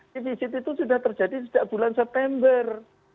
defisit itu sudah terjadi sejak bulan september